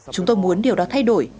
chúng tôi muốn điều đó thay đổi